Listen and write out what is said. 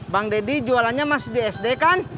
bang deddy jualannya masih di sd kan